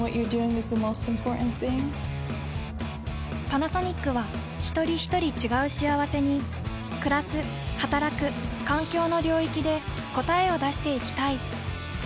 パナソニックはひとりひとり違う幸せにくらすはたらく環境の領域で答えを出していきたい。